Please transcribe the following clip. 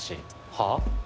はあ？